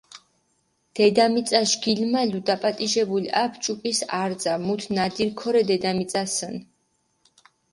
დედამიწაშ გილმალუ დაპატიჟებული აფუ ჭუკის არძა, მუთ ნადირი ქორე დედამიწასჷნ.